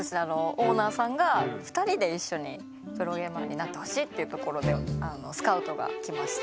オーナーさんが２人で一緒にプロゲーマーになってほしいっていうところでスカウトがきまして。